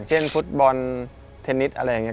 เช่นฟุตบอลเทนนิสอะไรอย่างนี้